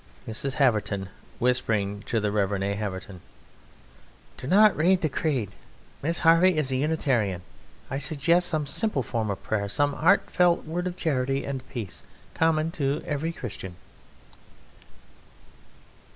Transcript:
MRS. HAVERTON (whispering to the REV. A. HAVERTON): Do not read the Creed! Miss Harvey is a Unitarian. I should suggest some simple form of prayer, Some heartfelt word of charity and peace Common to every Christian.